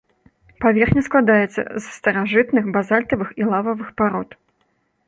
Паверхня складаецца з старажытных базальтавых і лававых парод.